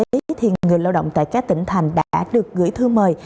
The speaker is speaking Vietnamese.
và nhiều người lao động tại các tỉnh thành đã được gửi thư mời